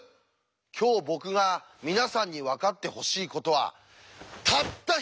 今日僕が皆さんに分かってほしいことはたった一つなんです！